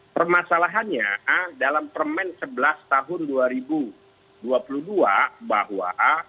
permasalahannya dalam permen sebelas tahun dua ribu dua puluh dua bahwa